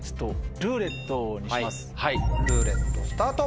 ルーレットスタート。